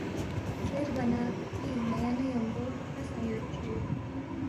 زیربا نہ ”اپی ن٘یا نہ ن٘یمبو ہرتا سہ یود جُو